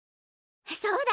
そうだ！